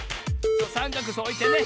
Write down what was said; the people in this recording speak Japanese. さんかくそうおいてね。